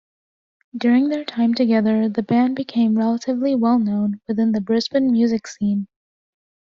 During their time together, the band became relatively well-known within the Brisbane music scene.